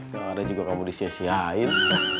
nggak ada juga kamu disia siain